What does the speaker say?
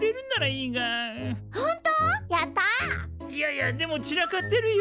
いやいやでも散らかってるよ？